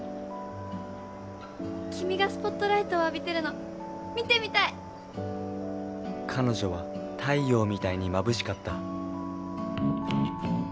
君がスポットライトを浴びてるの見てみた彼女は太陽みたいにまぶ